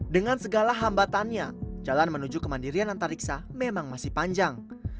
dengan segala hambatannya jalan menuju kemandirian antariksa memang masih panjang